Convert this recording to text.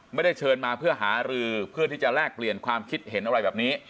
ไม่ได้เชิญมาเพื่อหารือเพื่อที่จะแลกเปลี่ยนความคิดเห็นอะไรแบบนี้